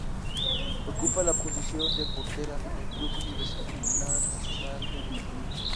Ocupa la posición de portera en el Club Universidad Nacional Femenil.